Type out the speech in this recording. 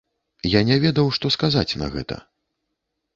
Я не ведаў, што сказаць на гэта.